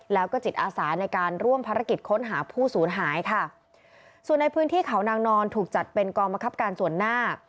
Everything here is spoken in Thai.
แล้วก็จิตอาสาในการร่วมภารกิจค้นหาผู้สูญหายค่ะส่วนในพื้นที่เขานางนอนถูกจัดเป็นกองบังคับการส่วนหน้า